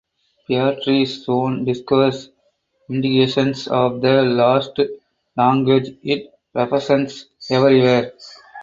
Beatrice soon discovers indications of the lost language it represents everywhere.